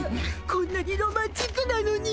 こんなにロマンチックなのに。